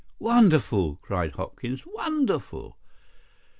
"Wonderful!" cried Hopkins. "Wonderful!"